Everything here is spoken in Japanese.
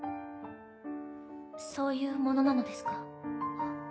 そういうものなのですか？